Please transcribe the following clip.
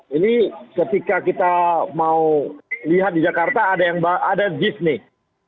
ini ketika kita mau lihat di jakarta ada jis nih